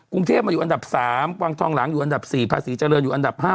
กรุงเทพมาอยู่อันดับสามวังทองหลังอยู่อันดับสี่พระศรีเจริญอยู่อันดับห้า